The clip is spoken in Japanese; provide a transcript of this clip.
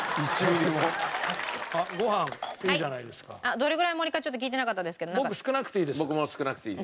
どれぐらい盛りかちょっと聞いてなかったですけど。